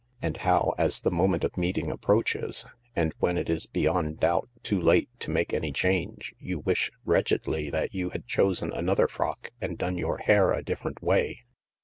And how, as the moment of meeting approaches, and when it is beyond doubt too late to make any change, you wish wretchedly that you had chosen another frock and done your hair a different way.